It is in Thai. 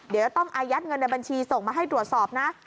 เดี๋ยวต้องอายัดเงินในบัญชีส่งมาให้ตรวจสอบนะ